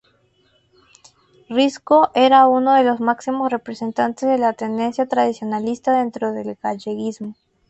Risco era uno de los máximos representantes de la tendencia tradicionalista dentro del galleguismo.